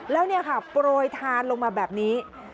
แล้วเนี่ยค่ะโปรยทานลงมาแบบนี้